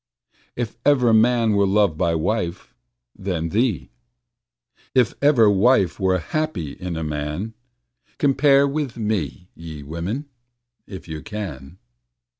If ever man were loved by wife, then thee; If ever wife were happy in a man, Compare with me, ye women, if you can.